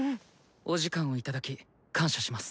お時間を頂き感謝します。